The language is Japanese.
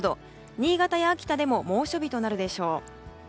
新潟や秋田でも猛暑日となるでしょう。